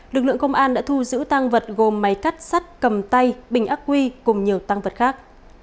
lực lượng công an đã thu giữ tăng vật gồm máy cắt sắt cầm tay bình ác quy cùng nhiều tăng vật khác